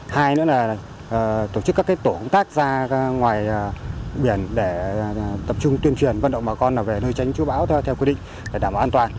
hai nữa là tổ chức các tổ công tác ra ngoài biển để tập trung tuyên truyền vận động bà con là về nơi tránh chú bão theo quy định để đảm bảo an toàn